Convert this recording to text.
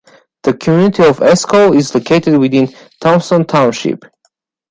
The community of Esko is located within Thomson Township.